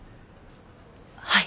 はい。